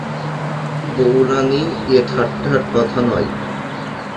বউরানী, এ ঠাট্টার কথা নয়।